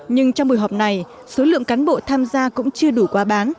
nhưng trong buổi họp này số lượng cán bộ tham gia cũng chưa được